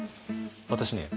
私ね